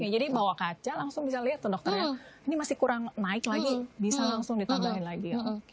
jadi bawa kaca langsung bisa lihat tuh dokternya ini masih kurang naik lagi bisa langsung ditambahin lagi